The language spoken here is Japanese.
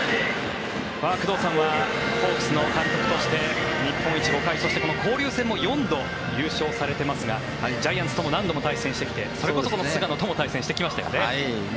工藤さんはホークスの監督として日本一５回そして、交流戦も４度優勝されてますがジャイアンツとも何度も対戦してきてそれこそ、この菅野とも対戦してきましたよね。